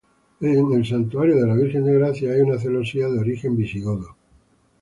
En el santuario de la Virgen de Gracia hay una celosía de origen visigodo.